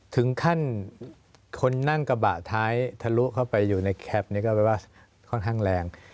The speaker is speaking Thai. ถึงขั้นคนนั่งกระบะท้ายทะลุเข้าไปอยู่ในแคปนี้ก็แปลว่าค่อนข้างแรง